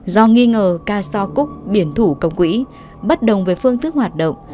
do nghi ngờ castro cúc biển thủ công quỹ bất đồng với phương thức hoạt động